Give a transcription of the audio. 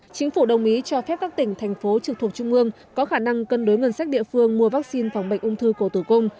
chính phủ đồng ý cho phép các tỉnh thành phố trực thuộc trung ương có khả năng cân đối ngân sách địa phương mua vaccine phòng bệnh ung thư cổ tử cung